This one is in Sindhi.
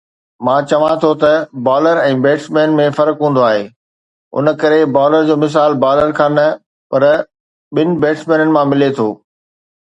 مان چوان ٿو ته بالر ۽ بيٽسمين ۾ فرق هوندو آهي. ان ڪري بالر جو مثال بالر کان نه پر ٻن بيٽسمينن مان ملي ٿو